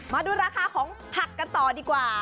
มาดูราคาของผักกันต่อดีกว่า